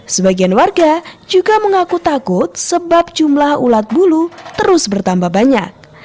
sebagian warga juga mengaku takut sebab jumlah ulat bulu terus bertambah banyak